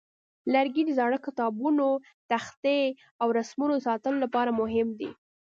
لرګي د زاړه کتابتونه، تختې، او رسمونو د ساتلو لپاره مهم دي.